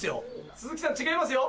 鈴木さん違いますよ。